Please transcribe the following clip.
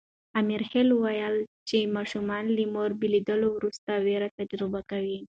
امرخېل وویل چې ماشومان له مور بېلېدو وروسته وېره تجربه کوي.